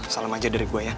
salam aja dari gue ya